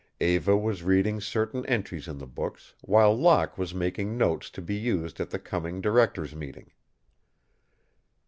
Eva was reading certain entries in the books, while Locke was making notes to be used at the coming directors' meeting.